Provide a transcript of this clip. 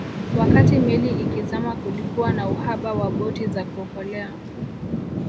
Wakati meli ikizama kulikuwa na uhaba wa boti za kuokolea